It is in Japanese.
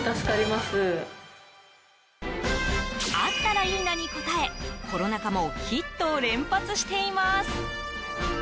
あったらいいなに応えコロナ禍もヒットを連発しています。